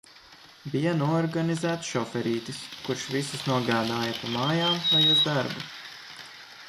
Bija noorganizēts šoferītis, kurš visus nogādāja pa mājām vai uz darbu.